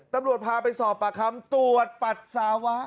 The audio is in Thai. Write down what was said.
ตำรวจพาไปสอบปากคำตรวจปัสสาวะ